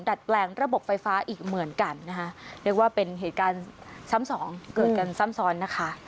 ดัดแปลงระบบไฟฟ้าอีกเหมือนกันนะคะเรียกว่าเป็นเหตุการณ์ซ้ำสองเกิดกันซ้ำซ้อนนะคะ